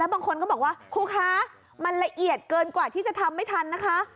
บางคนก็บอกว่าครูคะมันละเอียดเกินกว่าที่จะทำไม่ทันนะคะ